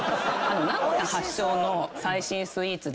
名古屋発祥の最新スイーツで。